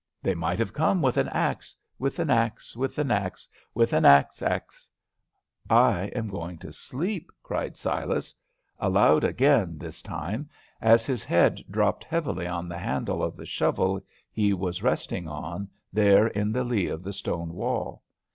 They might have come with an axe with an axe with an axe with an axe" "I am going to sleep," cried Silas, aloud again this time, as his head dropped heavily on the handle of the shovel he was resting on there in the lee of the stone wall.